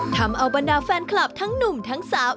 ทำเอาบรรดาแฟนคลับทั้งหนุ่มทั้งสาว